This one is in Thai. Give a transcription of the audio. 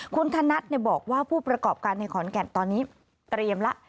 คุณธนัทบอกว่าผู้ประกอบการในขอนแก่นตอนนี้เตรียมแล้ว